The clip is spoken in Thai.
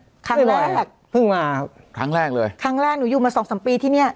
ครั้งแรกเพิ่งมาครั้งแรกเลยครั้งแรกหนูอยู่มาสองสามปีที่เนี้ย